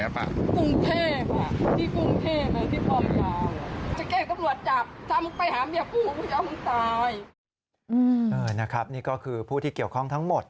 เนี่ยนะครับนี้ก็คือผู้ที่เกี่ยวข้องทั้งหมด